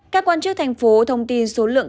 các quan chức thành phố thông tin số lượng